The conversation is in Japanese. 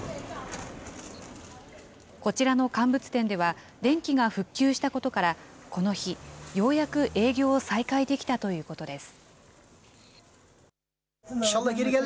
こちらの乾物店では、電気が復旧したことから、この日、ようやく営業を再開できたということです。